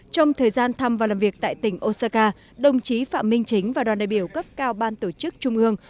trong thời gian thăm và làm việc tại tỉnh osaka đồng chí phạm minh chính và đoàn đại biểu cấp cao ban tổ chức trung ương